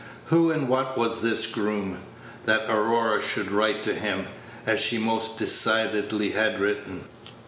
Who and what was this groom, that Aurora should write to him, as she most decidedly had written?